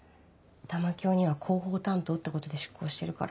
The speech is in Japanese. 玉響には広報担当ってことで出向してるから。